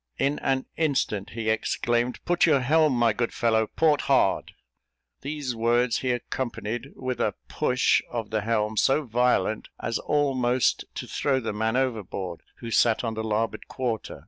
In an instant he exclaimed, "Put your helm, my good fellow, port hard." These words he accompanied with a push of the helm so violent, as almost to throw the man overboard who sat on the larboard quarter.